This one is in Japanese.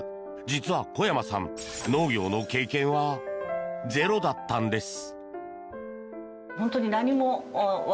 実は、小山さん農業の経験はゼロだったんです。